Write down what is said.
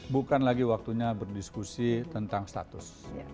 bukan lagi waktunya berdiskusi tentang status